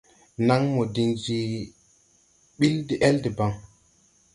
Naŋmo diŋ je ɓil de-ɛl debaŋ.